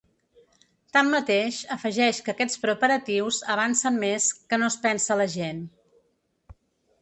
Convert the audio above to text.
Tanmateix, afegeix que aquests preparatius avancen més que no es pensa la gent.